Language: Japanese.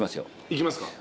いきますか？